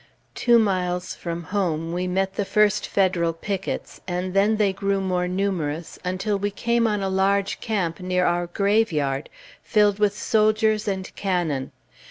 Two miles from home we met the first Federal pickets, and then they grew more numerous, until we came on a large camp near our graveyard, filled with soldiers and cannon.